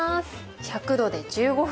１００℃で１５分。